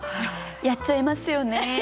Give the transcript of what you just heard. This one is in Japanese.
やっちゃいますよね。